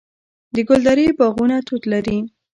د ګلدرې باغونه توت لري.